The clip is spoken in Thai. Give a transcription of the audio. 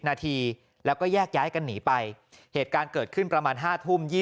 นาทีแล้วก็แยกย้ายกันหนีไปเหตุการณ์เกิดขึ้นประมาณ๕ทุ่ม